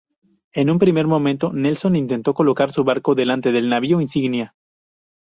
En un primer momento, Nelson intentó colocar su barco delante del navío insignia.